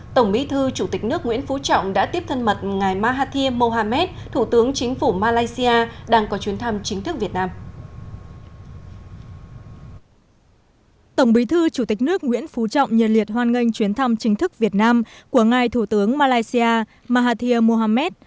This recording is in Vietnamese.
tổng bí thư chủ tịch nước nguyễn phú trọng nhiệt liệt hoan nghênh chuyến thăm chính thức việt nam của ngài thủ tướng malaysia mahathir mohamed